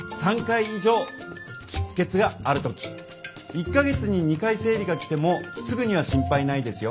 １か月に２回生理がきてもすぐには心配ないですよ。